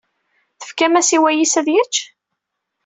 Tefkam-as i wayis ad yečč?